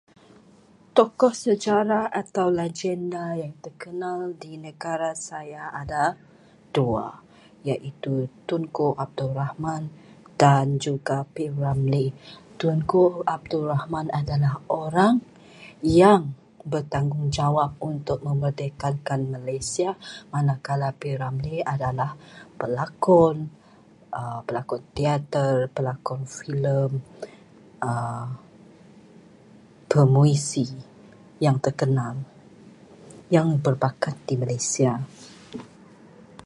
Tokoh sejarah atau legenda yang terkenal di negara saya ada dua, iaitu Tunku Abdul Rahman dan juga P. Ramlee. Tunku Abdul Rahman adalah orang yang bertanggungjawab untuk memerdekakan Malaysia. Manakala, P. Ramlee adalah pelakon, pelakon teater, pelakon filem, pemuisi yang terkenal, yang berbakat di Malaysia.